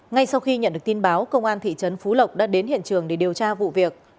ngay sau khi nhận được tin báo công an thị trấn phú lộc đã đến hiện trường để điều tra vụ việc